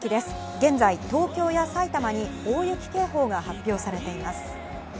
現在、東京や埼玉に大雪警報が発表されています。